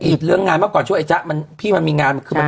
อิดเรื่องงานมากก่อนช่วยไอ้จ๊ะพี่มันมีงาน